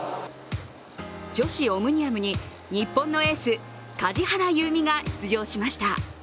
女子オムニアムに日本のエース、梶原悠未が出場しました。